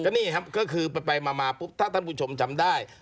นี่ครับก็คือไปมาปุ๊บถ้าท่านผู้ชมจำได้